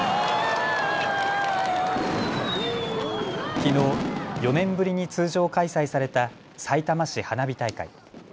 きのう４年ぶりに通常開催されたさいたま市花火大会。